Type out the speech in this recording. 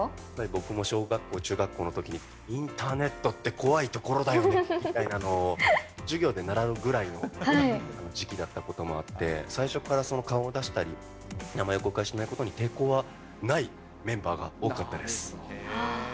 やっぱり僕も小学校、中学校のときに、インターネットって怖い所だよねみたいなのを、授業で習うぐらいの時期だったこともあって、最初から顔を出したり、名前を公開しないことに抵抗はないメンバーが多かったです。